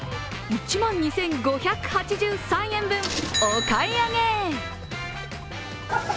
１万２５８３円分お買い上げ。